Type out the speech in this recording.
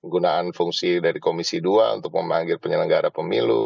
gunaan fungsi dari komisi dua untuk memanggil penyelenggara pemilu